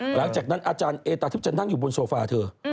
หลังจากนั้นอาจารย์เอตาทิพย์จะนั่งอยู่บนโซฟาเธอ